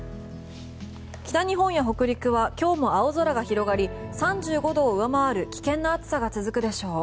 北日本や北陸は今日は青空が広がり３５度を上回る危険な暑さが続くでしょう。